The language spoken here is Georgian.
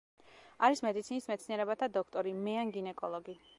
არის მედიცინის მეცნიერებათა დოქტორი, მეან-გინეკოლოგი.